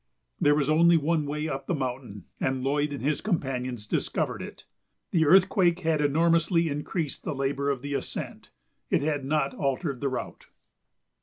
There is only one way up the mountain, and Lloyd and his companions discovered it. The earthquake had enormously increased the labor of the ascent; it had not altered the route.